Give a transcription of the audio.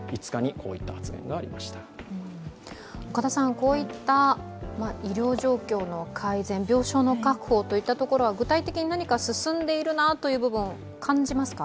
こういった医療状況の改善、病床の確保といったところは具体的に何か進んでいるなという部分、感じますか？